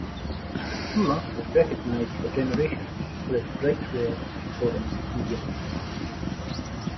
Fulla was recognised for generations for his bright red, orange and yellow.